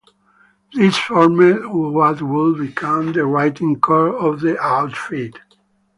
This formed what would become the writing core of the outfit.